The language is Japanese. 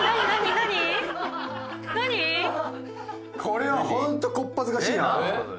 これはホント小っ恥ずかしいな。